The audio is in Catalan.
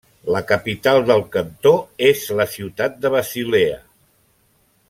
La capital del cantó és la ciutat de Basilea.